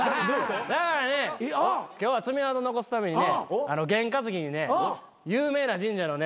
だからね今日は爪痕残すためにね験担ぎにね有名な神社のね